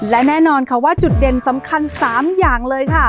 และแน่นอนค่ะว่าจุดเด่นสำคัญ๓อย่างเลยค่ะ